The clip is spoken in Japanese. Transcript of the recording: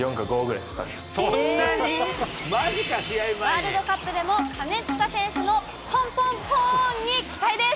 ワールドカップでも金近選手のポンポンポン！に期待です。